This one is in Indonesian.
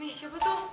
nih siapa tuh